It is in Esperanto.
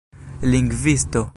lingvisto